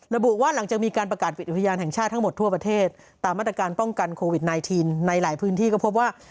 ระบุว่าหลังจากมีการประกาศปิดอุทยานแห่งชาติทั้งหมดทั่วประเทศตามมาตรการป้องกันโควิด๑๙ในหลายพื้นที่ก็พบว่า